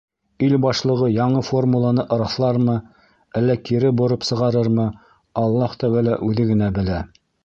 Ил башлығы яңы формуланы раҫлармы, әллә кире бороп сығарырмы — Аллаһ Тәғәлә үҙе генә белә.